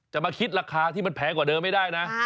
จะมาคิดราคาที่มันแพงกว่าเดิมไม่ได้นะ